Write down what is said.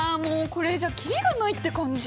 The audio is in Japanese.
これじゃ切りがないって感じ！